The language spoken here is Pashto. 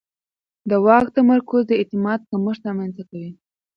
د واک تمرکز د اعتماد کمښت رامنځته کوي